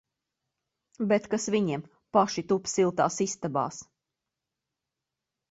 Bet kas viņiem! Paši tup siltās istabās!